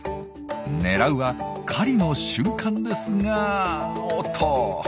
狙うは狩りの瞬間ですがおっと。